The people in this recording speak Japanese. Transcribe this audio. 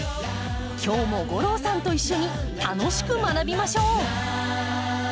今日も吾郎さんと一緒に楽しく学びましょう！